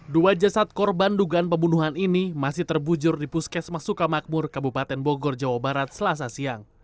dua jasad korban dugaan pembunuhan ini masih terbujur di puskesma sukamakmur kabupaten bogor jawa barat selasa siang